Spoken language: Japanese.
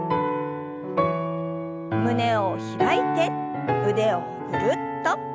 胸を開いて腕をぐるっと。